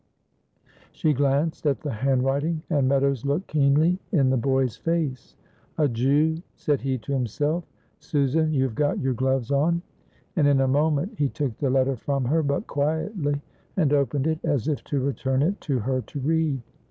She glanced at the handwriting, and Meadows looked keenly in the boy's face. "A Jew," said he to himself. "Susan, you have got your gloves on." And in a moment he took the letter from her, but quietly, and opened it as if to return it to her to read.